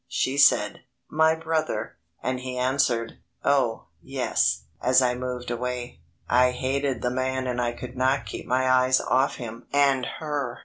She said, "My brother," and he answered: "Oh, yes," as I moved away. I hated the man and I could not keep my eyes off him and her.